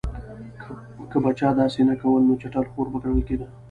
که به چا داسې نه کول نو چټل خور به ګڼل کېده.